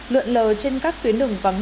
lượn lờ trên các tuyến đường vắng